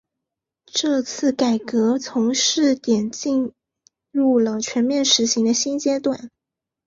这项改革从试点进入了全面实行的新阶段。